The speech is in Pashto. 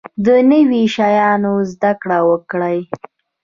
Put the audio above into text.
د نوي شیانو زده کړه وکړئ